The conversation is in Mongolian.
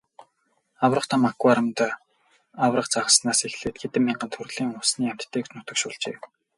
Аварга том аквариумд аварга загаснаас эхлээд хэдэн мянган төрлийн усны амьтдыг нутагшуулжээ.